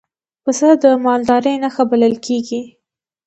پسه د مالدارۍ نښه بلل کېږي.